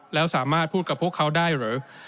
แล้วสามารถพูดกับพวกเขาได้หรือ